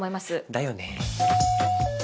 だよね。